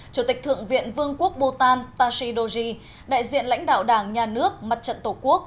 chủ tịch thượng viện vương quốc bhutan tashi doji đại diện lãnh đạo đảng nhà nước mặt trận tổ quốc